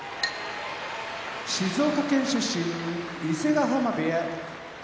静岡県出身伊勢ヶ濱部屋